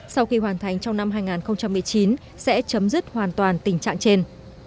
sau khi hoàn thành trong năm hai nghìn một mươi chín sẽ chấm dứt hoàn toàn tình trạng trên